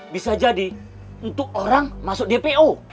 bisa jadi untuk orang masuk dpo